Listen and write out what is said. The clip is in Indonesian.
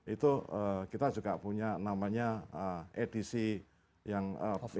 itu kita juga punya namanya edisi yang beda ya